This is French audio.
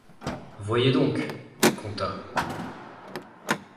Voyez donc, Contât.